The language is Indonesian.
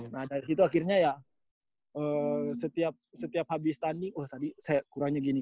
nah dari situ akhirnya ya setiap habis tanding wah tadi saya kurangnya gini